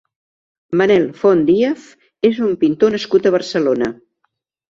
Manel Font Díaz és un pintor nascut a Barcelona.